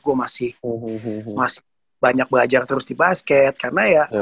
gue masih banyak belajar terus di basket karena ya